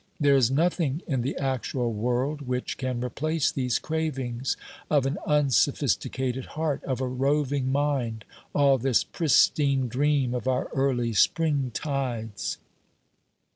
There is nothing in the actual world which can replace these cravings of an unsophisticated heart, of a roving mind, all this pristine dream of our early springtides.